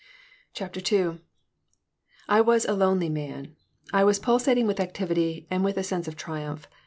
CHAPTER II I WAS a lonely man. I was pulsating with activity and with a sense of triumph.